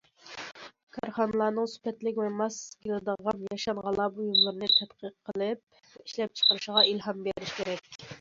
كارخانىلارنىڭ سۈپەتلىك ۋە ماس كېلىدىغان ياشانغانلار بۇيۇملىرىنى تەتقىق قىلىپ ئىشلەپچىقىرىشىغا ئىلھام بېرىش كېرەك.